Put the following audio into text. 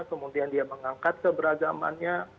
kemudian dia mengangkat keberagamannya